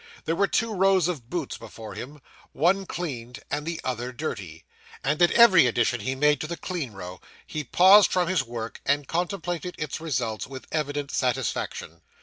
There were two rows of boots before him, one cleaned and the other dirty, and at every addition he made to the clean row, he paused from his work, and contemplated its results with evident satisfaction.